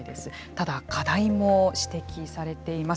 ただ、課題も指摘されています。